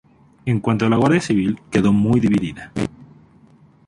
En cuanto a la Guardia Civil quedó muy dividida.